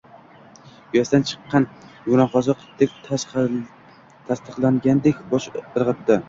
Uyasidan chiqqan yumronqoziq tasdiqlagandek bosh irgʻitdi